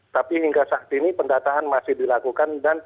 tapi hingga saat ini pendataan masih dilakukan